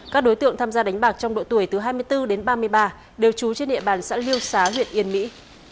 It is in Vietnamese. các đối tượng tham gia đánh bạc trong độ tuổi từ hai mươi bốn đến ba mươi ba đều trú trên địa bàn xã liêu xá huyện yên mỹ